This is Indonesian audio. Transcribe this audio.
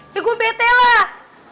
ya gue bete lah